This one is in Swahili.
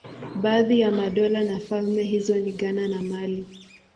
Baadhi ya madola na falme hizo ni Ghana na Mali.